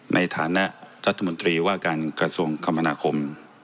ในฐานะรัฐมนตรีว่าการกระทรวงคมนาคม